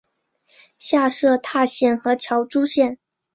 下设柘县和乔珠县。